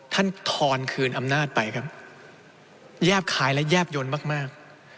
ท่านทอนคืนอำนาจไปครับแยบขายและแยบยนต์มาก